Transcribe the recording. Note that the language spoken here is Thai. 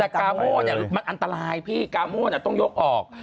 แต่กาโม่มันอันตรายพี่กาโม่ต้องยกออก